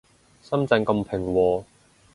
深圳咁平和